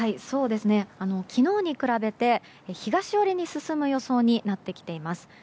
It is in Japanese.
昨日に比べて東寄りに進む予想になってきています。